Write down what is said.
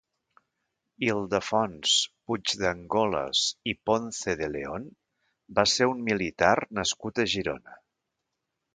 Ildefons Puigdengolas i Ponce de León va ser un militar nascut a Girona.